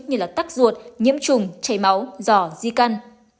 như tắc ruột nhiễm trùng chảy máu dò di căn